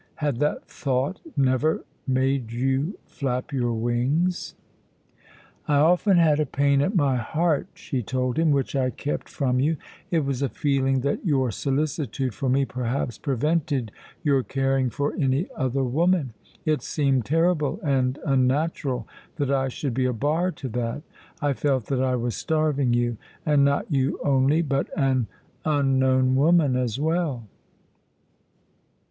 had that thought never made you flap your wings? "I often had a pain at my heart," she told him, "which I kept from you. It was a feeling that your solicitude for me, perhaps, prevented your caring for any other woman. It seemed terrible and unnatural that I should be a bar to that. I felt that I was starving you, and not you only, but an unknown woman as well."